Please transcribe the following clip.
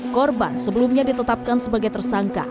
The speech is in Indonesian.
korban sebelumnya ditetapkan sebagai tersangka